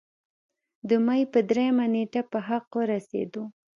د مۍ پۀ دريمه نېټه پۀ حق اورسېدو